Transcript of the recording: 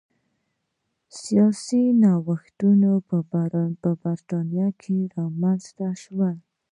سیاسي اوښتونونه په برېټانیا کې رامنځته شول.